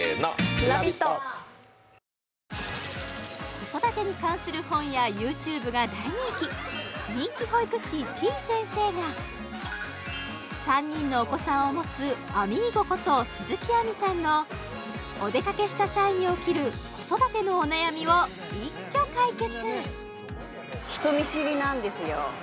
子育てに関する本やＹｏｕＴｕｂｅが大人気が３人のお子さんを持つあみゴこと鈴木亜美さんのお出かけした際に起きる子育てのお悩みを一挙解決